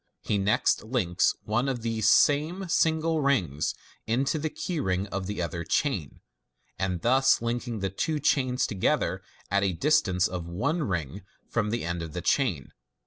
He next links one of these same single rings into the key ring of the other chain, thus linking the two chains together at a distance of one ring from the end of the chain.